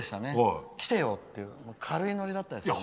来てよっていう軽いノリだったよね。